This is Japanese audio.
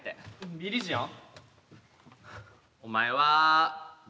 ビリジアン。